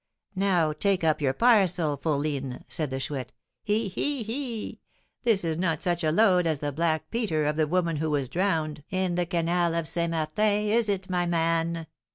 "Now take up your parcel, fourline," said the Chouette. "He, he, he! This is not such a load as the 'black peter' of the woman who was drowned in the Canal of St. Martin is it, my man?"